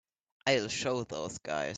I'll show those guys.